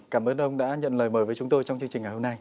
cảm ơn ông đã nhận lời mời với chúng tôi trong chương trình ngày hôm nay